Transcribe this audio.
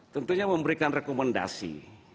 tentunya memberikan rekomendasi